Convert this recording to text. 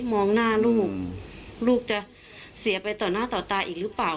มองหน้าลูกลูกจะเสียไปต่อหน้าต่อตาอีกหรือเปล่า